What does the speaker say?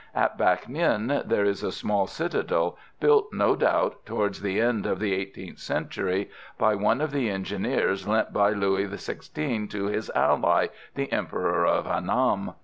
At Bac Ninh there is a small citadel, built, no doubt, towards the end of the eighteenth century by one of the engineers lent by Louis XVI. to his ally, the Emperor of Annam.